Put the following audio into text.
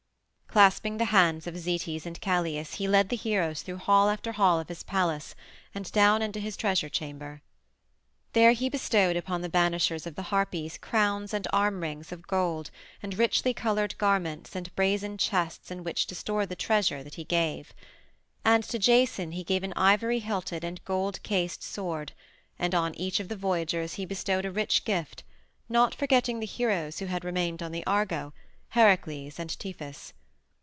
Clasping the hands of Zetes and Calais he led the heroes through hall after hall of his palace and down into his treasure chamber. There he bestowed upon the banishers of the Harpies crowns and arm rings of gold and richly colored garments and brazen chests in which to store the treasure that he gave. And to Jason he gave an ivory hilted and golden cased sword, and on each of the voyagers he bestowed a rich gift, not forgetting the heroes who had remained on the Argo, Heracles and Tiphys.